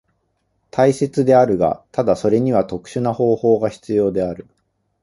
大切であるが、ただそれには特殊な方法が必要である。